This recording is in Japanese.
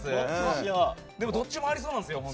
でも、どっちもありそうなんだよな。